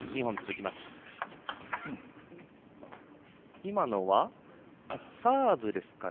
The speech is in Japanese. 今のは、サーブですかね。